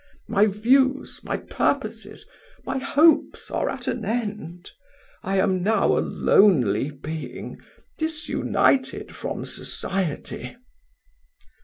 My views, my purposes, my hopes, are at an end: I am now a lonely being, disunited from society."